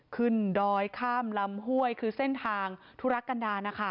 ดอยข้ามลำห้วยคือเส้นทางทุรกันดานะคะ